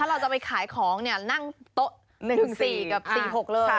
ถ้าเราจะไปขายของนั่งโต๊ะ๑๔กับ๑๖เลย